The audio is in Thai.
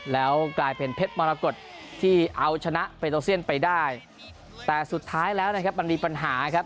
แล้วกลายเป็นเพชรมรกฏที่เอาชนะเปโตเซียนไปได้แต่สุดท้ายแล้วนะครับมันมีปัญหาครับ